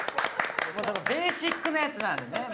ベーシックなやつなのでね。